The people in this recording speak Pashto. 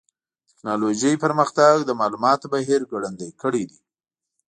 د ټکنالوجۍ پرمختګ د معلوماتو بهیر ګړندی کړی دی.